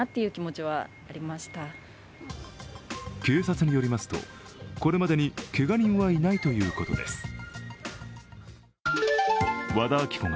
警察によりますと、これまでにけが人はいないということです。